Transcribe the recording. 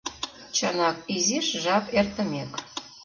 Чынак, изиш жап эртымек.